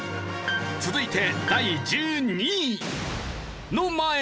続いて第１２位。